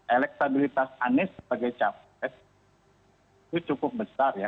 elektabilitas anies sebagai capres itu cukup besar ya